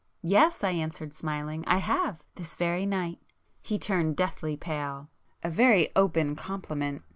"Yes!" I answered smiling—"I have,—this very night!" He turned deadly pale. "A very open compliment!"